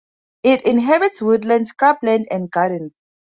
It inhabits woodland, scrubland and gardens.